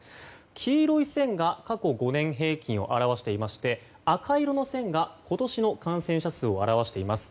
黄色い線が過去５年平均を表していまして赤色の線が今年の感染者数を表しています。